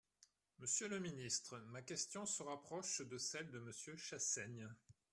Monsieur le ministre, ma question se rapproche de celle de Monsieur Chassaigne.